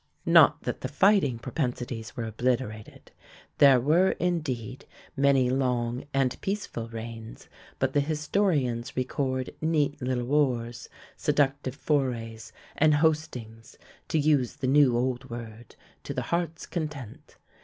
Not that the fighting propensities were obliterated. There were indeed many long and peaceful reigns, but the historians record neat little wars, seductive forays and "hostings", to use the new old word, to the heart's content.